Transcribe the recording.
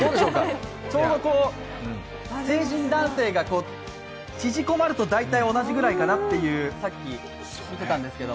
ちょうど成人男性が縮こまると大体同じぐらいかなとさっき言ってたんですけど。